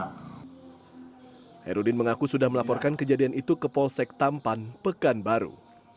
hairudin mengaku sudah melaporkan kejadian itu ke polsek tampan pekanbaru